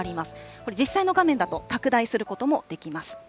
これ、実際の画面だと拡大することもできます。